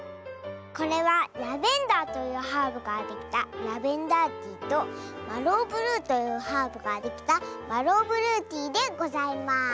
これはラベンダーというハーブからできた「ラベンダーティー」とマローブルーというハーブからできた「マローブルーティー」でございます。